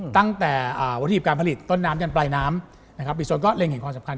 ตั้งแต่วัตถุดิบการผลิตต้นน้ำยันปลายน้ำนะครับบิโซนก็เล็งเห็นความสำคัญ